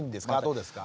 どうですか？